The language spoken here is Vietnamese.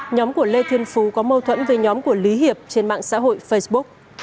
nhóm của lê thiên phú có mâu thuẫn với nhóm của lý hiệp trên mạng xã hội facebook